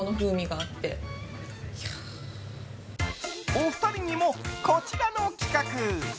お二人にもこちらの企画！